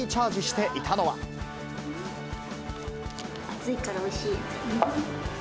暑いからおいしい。